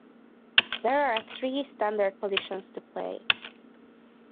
There are three standard positions to play.